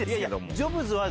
「ジョブズは？」で。